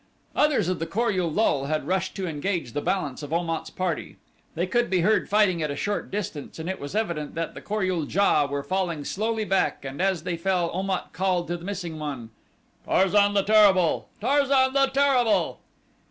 Others of the Kor ul lul had rushed to engage the balance of Om at's party. They could be heard fighting at a short distance and it was evident that the Kor ul JA were falling slowly back and as they fell Om at called to the missing one: "Tarzan the Terrible! Tarzan the Terrible!"